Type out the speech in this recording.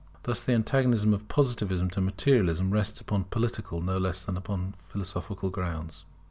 Thus the antagonism of Positivism to Materialism rests upon political no less than upon philosophical grounds.